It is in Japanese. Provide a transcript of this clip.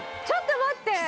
ちょっと待って。